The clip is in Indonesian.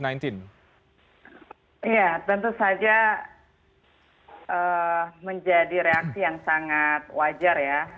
ya tentu saja menjadi reaksi yang sangat wajar ya